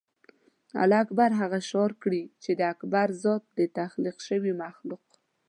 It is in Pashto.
الله اکبر هغه شعار کړي چې د اکبر ذات د تخلیق شوي مخلوق.